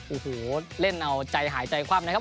โอ้โหเล่นเอาใจหายใจคว่ำนะครับ